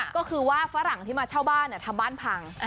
ก็คือว่าฝรั่งที่มาเช่าบ้านทำบ้านพัง